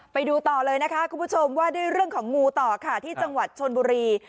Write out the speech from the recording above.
ไปดูต่อเลยนะคะคุณผู้ชมว่าด้วยเรื่องของงูต่อค่ะที่จังหวัดชนบุรี